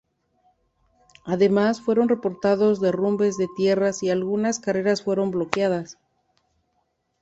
Además, fueron reportados derrumbes de tierra y algunas carreteras fueron bloqueadas.